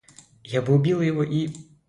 Я бы убила его и...